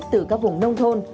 từ các vùng nông thôn